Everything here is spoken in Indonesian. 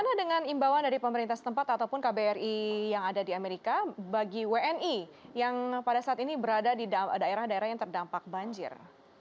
bagaimana dengan imbauan dari pemerintah setempat ataupun kbri yang ada di amerika bagi wni yang pada saat ini berada di daerah daerah yang terdampak banjir